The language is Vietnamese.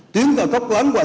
tuyến vào tốc quán quả lợi